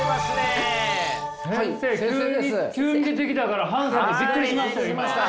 先生急に急に出てきたからハンさんもびっくりしましたよ